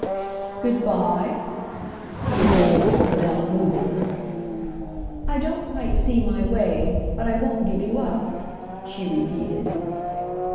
"Good bye?"—he appealed, but without moving. "I don't quite see my way, but I won't give you up," she repeated.